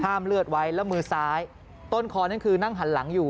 เลือดไว้แล้วมือซ้ายต้นคอนั่นคือนั่งหันหลังอยู่